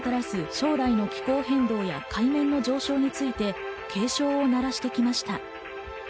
将来の気候変動や海面の上昇について警鐘を鳴らしてきました。